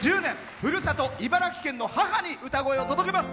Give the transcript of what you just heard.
ふるさと茨城県の母にこの歌を届けます。